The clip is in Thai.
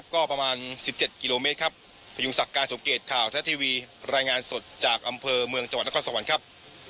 ขอบคุณครับขอบคุณครับ